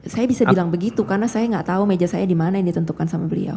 saya bisa bilang begitu karena saya nggak tahu meja saya di mana yang ditentukan sama beliau